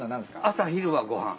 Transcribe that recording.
朝昼はご飯。